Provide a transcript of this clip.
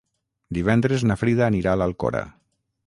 Divendres na Frida anirà a l'Alcora.